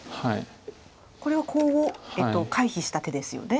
これはコウを回避した手ですよね。